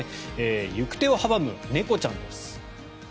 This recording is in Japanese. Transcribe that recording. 行く手を阻む猫ちゃんです。